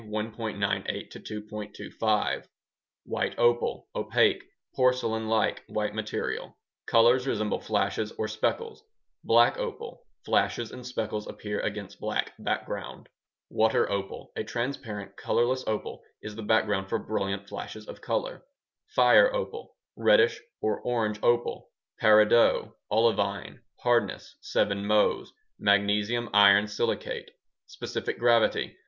98 2.25 White opal: Opaque, porcelain like white material; colors resemble flashes or speckles Black opal: Flashes and speckles appear against black background Water opal: A transparent, colorless opal is the background for brilliant flashes of color Fire opal: Reddish or orange opal Peridot [Olivine] (hardness: 7 Mohs) Magnesium iron silicate Specific gravity: 3.